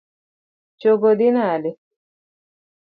Chogo dhi nade?